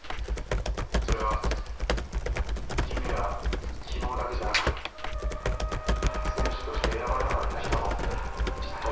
それは夢や希望だけじゃなく選手として選ばれなかった人の嫉妬や絶望も。